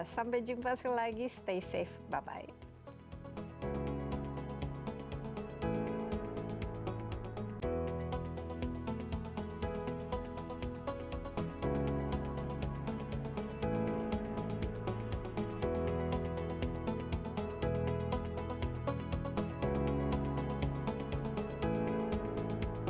sampai jumpa lagi stay safe bye bye